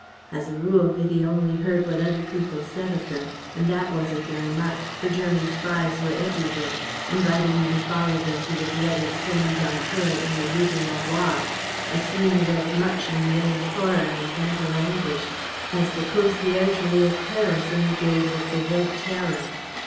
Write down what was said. As a rule Vivie only heard what other people said of them, and that wasn't very much, for German spies were everywhere, inviting you to follow them to the dreaded Kommandantur in the Rue de la Loi a scene of as much in the way of horror and mental anguish as the Conciergerie of Paris in the days of the Red Terror.